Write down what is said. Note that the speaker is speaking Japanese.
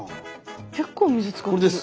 結構水使ってる。